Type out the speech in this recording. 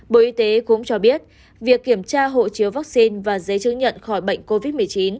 bộ y tế cũng cho biết việc kiểm tra hộ chiếu vaccine và giấy chứng nhận khỏi bệnh covid một mươi chín